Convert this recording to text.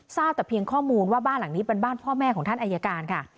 ทราบแต่เพียงข้อมูลว่าบ้านหลังนี้เป็นบ้านพ่อแม่ของท่านอายการค่ะ